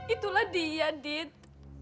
itulah dia dit